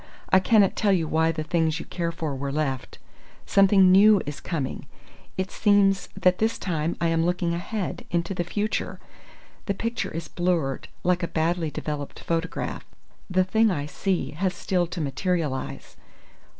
I cannot tell you why the things you care for were left.... Something new is coming. It seems that this time I am looking ahead, into the future. The picture is blurred like a badly developed photograph. The thing I see has still to materialize."